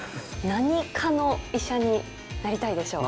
何科の医者になりたいでしょう？